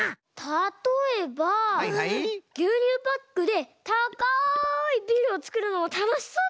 たとえばぎゅうにゅうパックでたかいビルをつくるのもたのしそうですね。